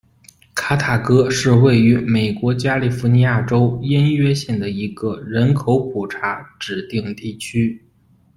卡塔戈是位于美国加利福尼亚州因约县的一个人口普查指定地区。